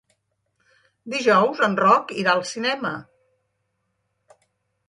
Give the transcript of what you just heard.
Dijous en Roc irà al cinema.